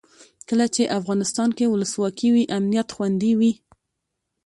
کله چې افغانستان کې ولسواکي وي امنیت خوندي وي.